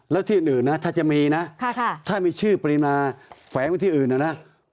แล้วที่อื่นนะถ้าจะมีนะถ้ามีชื่อปรินาแฝงไว้ที่อื่นนะนะ